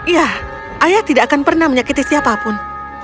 ya ayah tidak akan pernah menyakiti siapapun